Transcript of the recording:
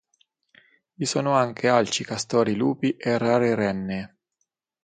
Vi sono anche alci, castori, lupi e rare renne.